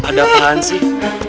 ada apaan sih